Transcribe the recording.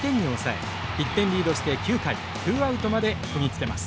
１点リードして９回ツーアウトまでこぎ着けます。